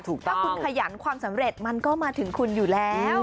ถ้าคุณขยันความสำเร็จมันก็มาถึงคุณอยู่แล้ว